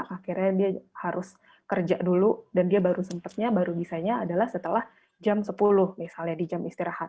akhirnya dia harus kerja dulu dan dia baru sempetnya baru bisanya adalah setelah jam sepuluh misalnya di jam istirahat